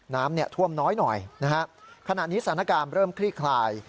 น้ำท่วมน้อยหน่อยนะฮะขณะนี้สถานการณ์เริ่มคลี่คลาย